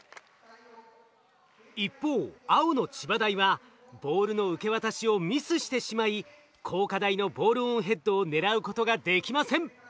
一方青の千葉大はボールの受け渡しをミスしてしまい工科大のボールオンヘッドを狙うことができません。